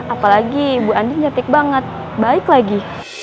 apalagi bu andin nyetik banget baik lagi